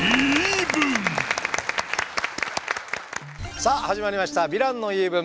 さあ始まりました「ヴィランの言い分」。